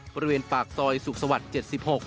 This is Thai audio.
บริเวณปากซอยสุขสวรรค์๗๖